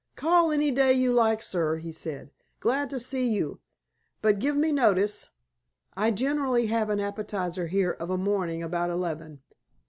"Call any day you like, sir," he said. "Glad to see you. But give me notice. I generally have an appetizer here of a morning about eleven."